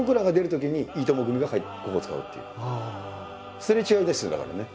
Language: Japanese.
すれ違いですよだからね。